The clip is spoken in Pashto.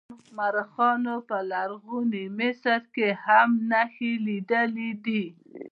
مورخانو په لرغوني مصر کې هم نښې لیدلې دي.